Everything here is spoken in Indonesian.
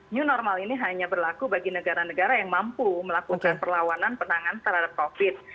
new normal ini hanya berlaku bagi negara negara yang mampu melakukan perlawanan penanganan terhadap covid